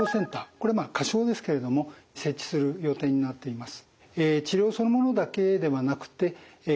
これまあ仮称ですけれども設置する予定になっています。